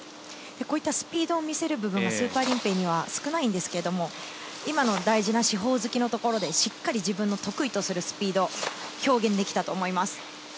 こういったスピードを見せる部分がスーパーリンペイには少ないんですけど今の大事な四方突きのところでしっかり自分の得意とするスピードを表現できたと思います。